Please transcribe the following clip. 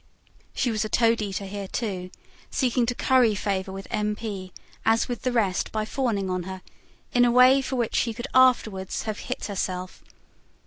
She was a toadeater here, too, seeking to curry favour with M. P. as with the rest, by fawning on her, in a way for which she could afterwards have hit herself.